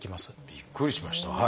びっくりしました。